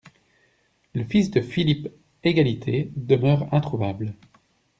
Le fils de Philippe-Égalité demeure introuvable.